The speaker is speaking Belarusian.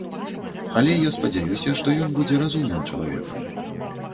Але я спадзяюся, што ён будзе разумным чалавекам.